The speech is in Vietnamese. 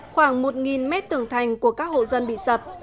khoảng một mét tường thành của các hộ dân bị sập